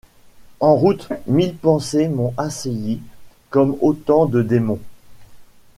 En route, mille pensées m’ont assaillie comme autant de démons.